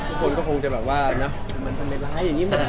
ทุกคนก็คงจะแบบว่ามันทำไมร้ายอย่างงี้